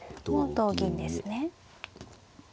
同銀ですね。